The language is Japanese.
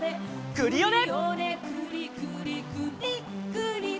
クリオネ！